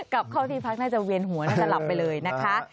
กลับที่พลักษณ์น่าจะเวียนหัวก็จะหลับไปเลยนะคะ